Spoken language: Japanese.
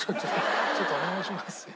ちょっとお願いしますよ。